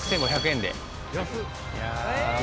６５００円で。